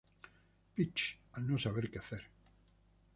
Peach al no saber que hacer.